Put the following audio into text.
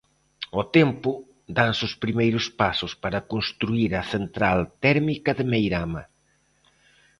Ao tempo, danse os primeiros pasos para construír a central térmica de Meirama.